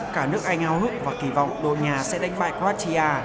cả nước anh hào hức và kỳ vọng đội nhà sẽ đánh bại quartia